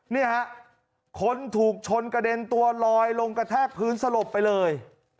นี่ฮะคนถูกชนกระเด็นตัวลอยลงกระแทกพื้นสลบไปเลย